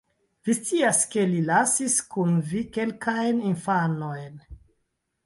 Vi scias ke li lasis kun vi kelkajn infanojn